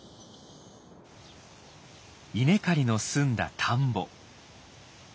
稲刈りの済んだ田んぼ。